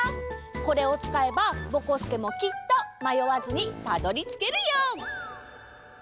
これをつかえばぼこすけもきっとまよわずにたどりつけるよ！